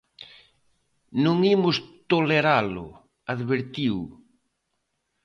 "Non imos toleralo", advertiu.